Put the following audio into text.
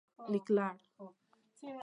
لیکلړ